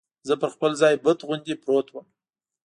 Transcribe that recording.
زه پر خپل ځای بت غوندې پروت ووم.